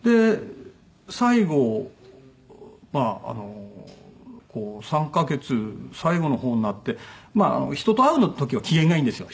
最後まああの３カ月最後の方になってまあ人と会う時は機嫌がいいんですよ。